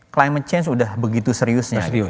climate change udah begitu seriusnya